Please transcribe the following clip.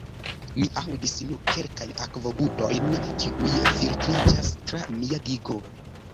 Mi aŭdis nur kelkajn akvogutojn, kiuj filtriĝas tra mia digo.